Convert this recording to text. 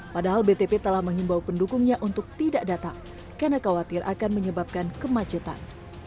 padahal btp telah menghimbau pendukungnya untuk tidak datang karena khawatir akan menyebabkan kemacetan